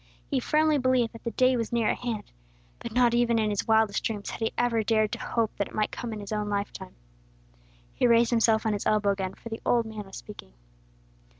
He firmly believed that the day was near at hand; but not even in his wildest dreams had he ever dared to hope that it might come in his own lifetime. He raised himself on his elbow again, for the old man was speaking.